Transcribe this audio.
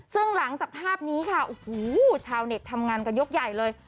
ซึ่งหลังจากภาพนี้ค่ะโอ้โหชาวเน็ตทำงานกันยกใหญ่เลย